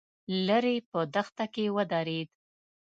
ليرې په دښته کې ودرېد.